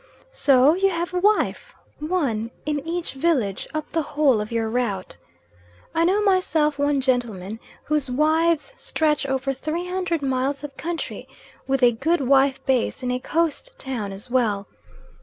So you have a wife one in each village up the whole of your route. I know myself one gentleman whose wives stretch over 300 miles of country, with a good wife base in a Coast town as well.